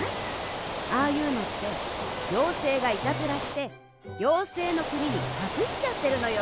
ああいうのってようせいがいたずらしてようせいのくににかくしちゃってるのよ。